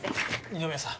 二宮さん